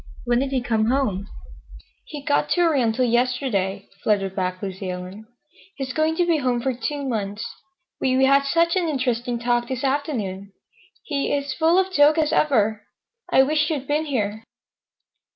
When did he come home?" "He got to Oriental yesterday," fluttered back Lucy Ellen. "He's going to be home for two months. We—we had such an interesting talk this afternoon. He—he's as full of jokes as ever. I wished you'd been here."